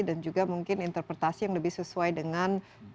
dan juga mungkin interpretasi yang lebih sesuai dengan